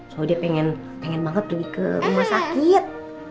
soalnya dia pengen banget pergi ke rumah sakit